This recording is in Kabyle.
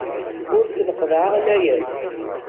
Ur asen-qeḍḍɛeɣ layas.